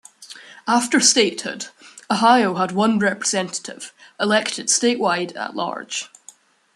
After statehood, Ohio had one representative, elected statewide at-large.